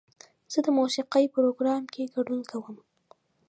زه د موسیقۍ پروګرام کې ګډون کوم.